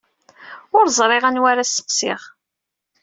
Ur ẓriɣ anwa ara sseqsiɣ.